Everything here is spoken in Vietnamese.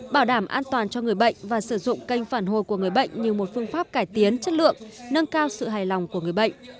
bảo đảm an toàn cho người bệnh và sử dụng kênh phản hồi của người bệnh như một phương pháp cải tiến chất lượng nâng cao sự hài lòng của người bệnh